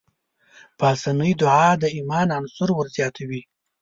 پاسنۍ دعا د ايمان عنصر ورزياتوي.